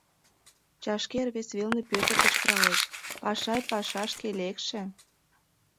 Чашкер вес велне Пӧтыр кычкыралеш: «Пашай пашашке лекше-е-е!..»